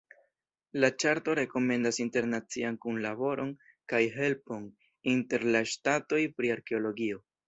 La ĉarto rekomendas internacian kunlaboron kaj helpon inter la ŝtatoj pri arkeologio.